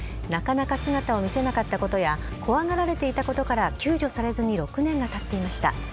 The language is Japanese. なかなか姿を見せなかったことや、怖がられていたことから救助されずに６年がたっていました。